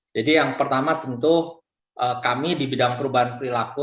jadi yang pertama tentu kami di bidang perubahan perilaku